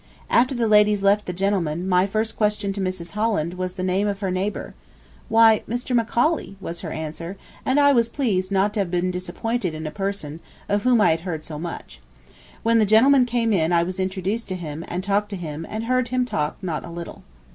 After the ladies left the gentlemen, my first question to Mrs. Holland was the name of her next neighbor. "Why, Mr. Macaulay," was her answer, and I was pleased not to have been disappointed in a person of whom I had heard so much. When the gentlemen came in I was introduced to him and talked to him and heard him talk not a little.